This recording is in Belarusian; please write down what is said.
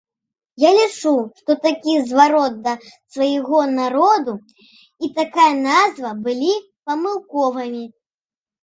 Я лічу, што такі зварот да свайго народу і такая назва былі памылковымі.